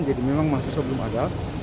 jadi memang mahasiswa belum ada